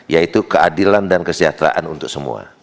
yaitu keadilan dan kesejahteraan untuk semua